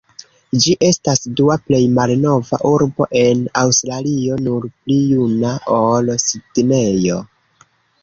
Ĝi estas dua plej malnova urbo en Aŭstralio, nur pli juna ol Sidnejo.